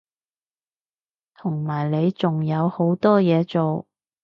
同埋你仲有好多嘢做